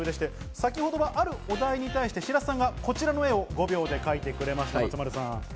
先ほど、あるお題に対して白洲さんがこちらの絵を５秒で描いてくれました。